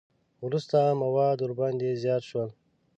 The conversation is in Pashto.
وروسته مواد ورباندې زیات شول.